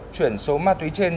chuyển số ma túy trên